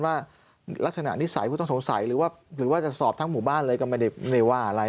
ว่าลักษณะนิสัยผู้ต้องสงสัยหรือว่าจะสอบทั้งหมู่บ้านเลยก็ไม่ได้ว่าอะไร